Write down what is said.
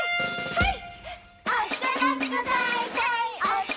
はい！